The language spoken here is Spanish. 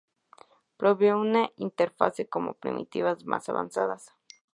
Provee una interface con primitivas más avanzadas.